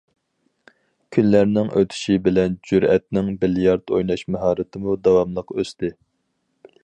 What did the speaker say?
كۈنلەرنىڭ ئۆتۈشى بىلەن جۈرئەتنىڭ بىليارت ئويناش ماھارىتىمۇ داۋاملىق ئۆستى.